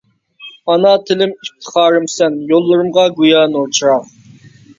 ئانا تىلىم ئىپتىخارىمسەن، يوللىرىمغا گويا نۇر چىراغ.